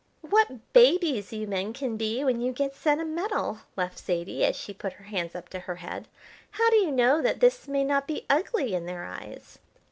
"What babies you men can be when you get sentimental!" laughed Zaidie, as she put her hands up to her head. "How do you know that this may not be ugly in their eyes?"